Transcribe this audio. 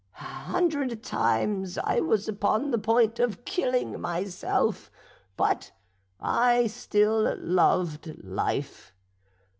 A hundred times I was upon the point of killing myself; but still I loved life.